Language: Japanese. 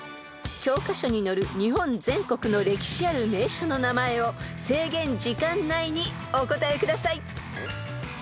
［教科書に載る日本全国の歴史ある名所の名前を制限時間内にお答えください］